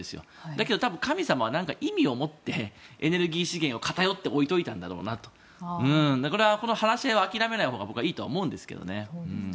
だけど多分、神様は意味を持ってエネルギー資源を偏っておいておいたんだろうなとこの話し合いを諦めないほうが僕はいいと思うんですけどね。